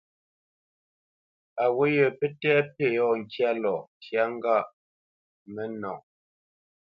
A wǔt yə pə́ tɛ̂ pí yɔ̂ ŋkya lɔ ntyá mə́nɔ.